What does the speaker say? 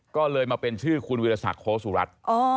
ก็เลยมาเป็นชื่อคุณวิทยาศักดิ์โฮสุรัสตร์